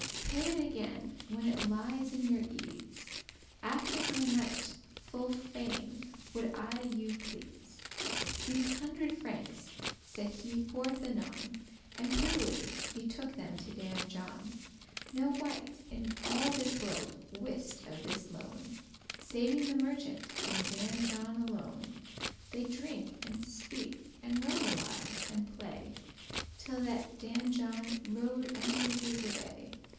Pay it again when it lies in your ease; After my might full fain would I you please." These hundred frankes set he forth anon, And privily he took them to Dan John; No wight in all this world wist of this loan, Saving the merchant and Dan John alone. They drink, and speak, and roam a while, and play, Till that Dan John rode unto his abbay.